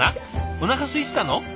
おなかすいてたの？